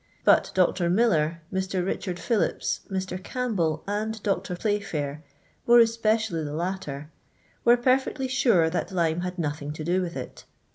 But Dr. Miller, Mr. Richard Phillips, Mr. Campbell, and Dr. Play fair, more especially the latter, were perfectly sure that lime had no ' thing to do with it.